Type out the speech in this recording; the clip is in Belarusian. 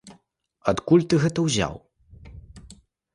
Адкуль ты гэта ўзяў?